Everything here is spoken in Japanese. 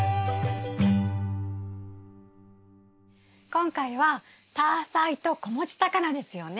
今回はタアサイと子持ちタカナですよね。